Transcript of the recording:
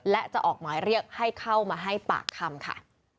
และจะออกหมายเรียกให้เข้ามาให้ปากคำค่ะ